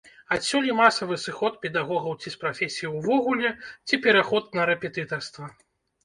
Адсюль і масавы сыход педагогаў ці з прафесіі ўвогуле, ці пераход на рэпетытарства.